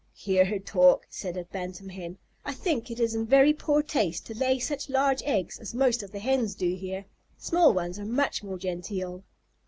"Hear her talk!" said a Bantam Hen. "I think it is in very poor taste to lay such large eggs as most of the Hens do here. Small ones are much more genteel."